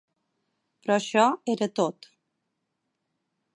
Però això era tot.